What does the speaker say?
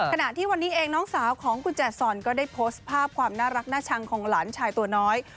ขณะที่วันนี้เองน้องสาวของคุณแจซอนก็ได้โพสต์ภาพความน่ารักน่าชังของหลานชายตัวน้อย